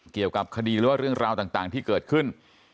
เกี่ยวกับคดีหรือว่าเรื่องราวต่างที่เกิดขึ้น